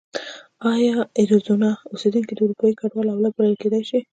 ایا اریزونا اوسېدونکي د اروپایي کډوالو اولاد بلل کېدای شي؟